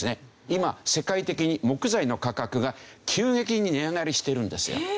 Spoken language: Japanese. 今世界的に木材の価格が急激に値上がりしてるんですよ。